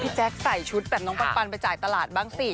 แจ๊คใส่ชุดแบบน้องปันไปจ่ายตลาดบ้างสิ